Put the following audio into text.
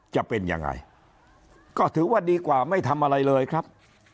จะเป็นยังไงก็ถือว่าดีกว่าไม่ทำอะไรเลยครับ